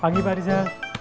pagi baris ah